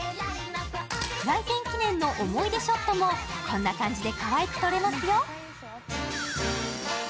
来店記念の思い出ショットもこんな感じでかわいく撮れますよ。